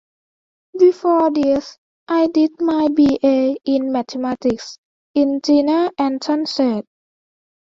Before this, I did my BA in Mathematics in Jena, Anton said.